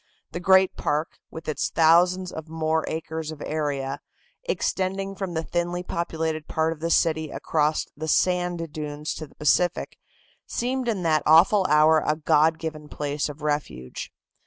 The great park, with its thousand and more acres of area, extending from the thinly populated part of the city across the sand dunes to the Pacific, seemed in that awful hour a God given place of refuge.